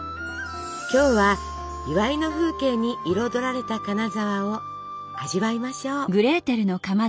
今日は祝いの風景に彩られた金沢を味わいましょう。